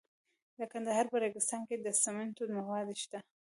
د کندهار په ریګستان کې د سمنټو مواد شته.